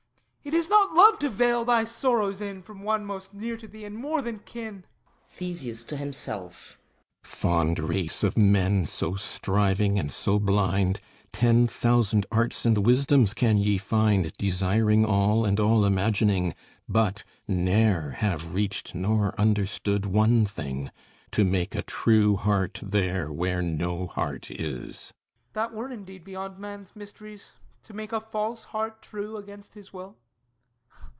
It is not love, to veil thy sorrows in From one most near to thee, and more than kin. THESEUS (to himself) Fond race of men, so striving and so blind, Ten thousand arts and wisdoms can ye find, Desiring all and all imagining: But ne'er have reached nor understood one thing, To make a true heart there where no heart is! HIPPOLYTUS That were indeed beyond man's mysteries, To make a false heart true against his will.